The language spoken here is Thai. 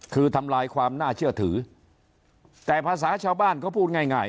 คือทำลายความน่าเชื่อถือแต่ภาษาชาวบ้านเขาพูดง่าย